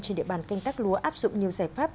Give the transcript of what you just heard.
trên địa bàn canh tác lúa áp dụng nhiều giải pháp